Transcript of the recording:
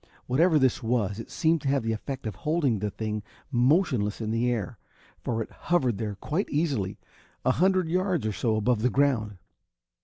Whatever this was it seemed to have the effect of holding the thing motionless in the air, for it hovered there quite easily, a hundred yards or so above the ground.